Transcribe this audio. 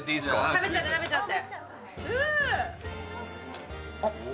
食べちゃって食べちゃって。